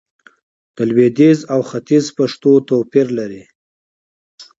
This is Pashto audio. د لويديځ او ختيځ پښتو توپير لري